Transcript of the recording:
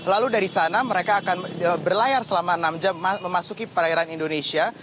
lalu dari sana mereka akan berlayar selama enam jam memasuki perairan indonesia